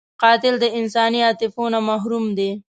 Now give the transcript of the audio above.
قاتل د انساني عاطفو نه محروم دی